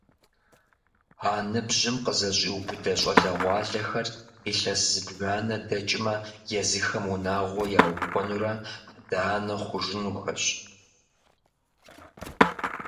А ныбжьым къызэщӏиубыдэ щӏалэгъуалэхэр илъэс зыбжанэ дэкӏмэ езыхэм унагъуэ яухуэнурэ адэ-анэ хъужынухэщ.